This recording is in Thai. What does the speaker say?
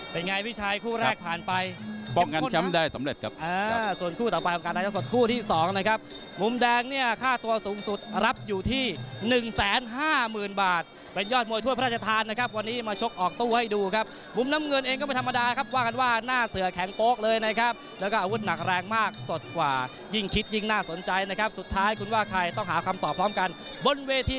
สุดท้ายคุณว่าใครต้องหาคำตอบพร้อมกันบนเวทีแต่ก่อนอื่นติดต่อคำตอบพร้อมกันบนเวที